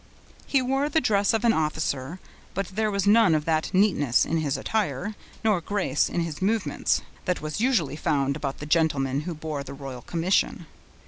He wore the dress of an officer, but there was none of that neatness in his attire, nor grace in his movements, that was usually found about the gentlemen who bore the royal commission.